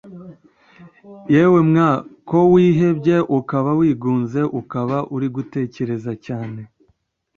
yewe mwa ko wihebye ukaba wigunze ukaba uri gutekereza cyane